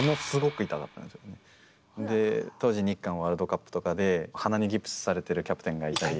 当時日韓ワールドカップとかで鼻にギプスされてるキャプテンがいたり。